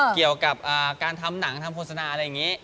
เกี่ยวกับการทำโฆษณา